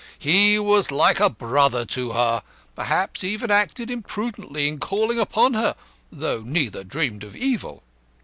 He was like a brother to her, perhaps even acted imprudently in calling upon her, though neither dreamed of evil.